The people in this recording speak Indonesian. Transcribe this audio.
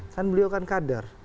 kan beliau kan kader